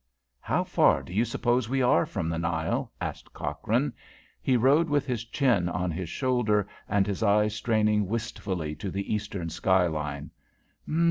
"How far do you suppose we are from the Nile?" asked Cochrane. He rode with his chin on his shoulder and his eyes straining wistfully to the eastern sky line.